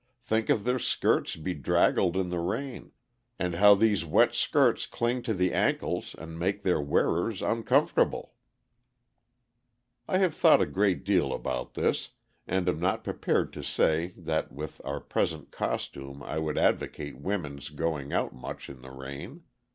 Think of their skirts bedraggled in the rain, and how these wet skirts cling to the ankles and make their wearers uncomfortable." [Illustration: INDIAN KISH IN SOUTHERN CALIFORNIA.] I have thought a great deal about this, and am not prepared to say that with our present costume I would advocate women's going out much in the rain.